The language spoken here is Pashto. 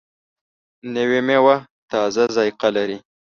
نوې میوه تازه ذایقه لري